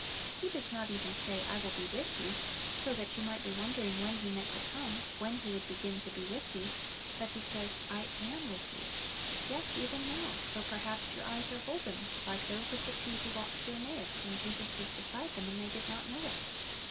He does not even say, "I will be with you;" so that you might be wondering when He meant to come, when He would begin to be "with you;" but He says, "I am with you." Yes, even now, though perhaps your eyes are holden, like those of the two who walked to Emmaus when Jesus was beside them and they did not know it.